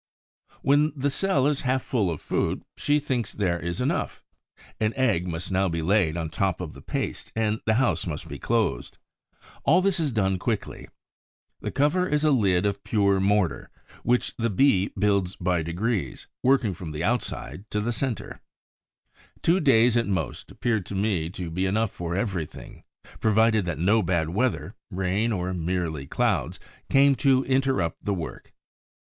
When the cell is half full of food, she thinks there is enough. An egg must now be laid on top of the paste and the house must be closed. All this is done quickly. The cover is a lid of pure mortar, which the Bee builds by degrees, working from the outside to the center. Two days at most appeared to me to be enough for everything, provided that no bad weather—rain or merely clouds—came to interrupt the work.